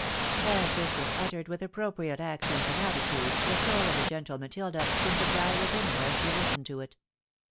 As this was uttered with appropriate accent and attitude, the soul of the gentle Matilda seemed to die within her as she listened to it.